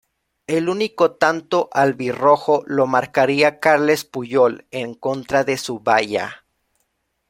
El único tanto albirrojo lo marcaría Carles Puyol en contra de su valla.